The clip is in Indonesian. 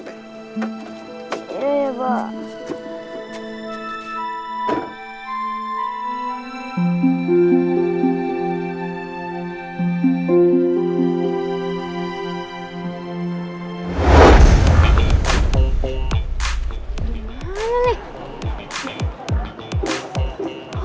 welcome di jakarta